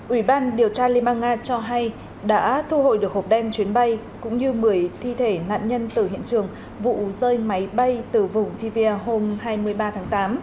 ủy ban điều tra liên bang nga cho hay đã thu hồi được hộp đen chuyến bay cũng như một mươi thi thể nạn nhân từ hiện trường vụ rơi máy bay từ vùng tivia hôm hai mươi ba tháng tám